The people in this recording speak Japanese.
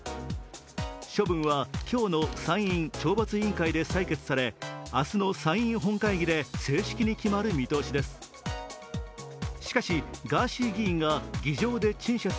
処分は、今日の参院懲罰委員会で採決され明日の参院本会議で正式に決まる見通しです。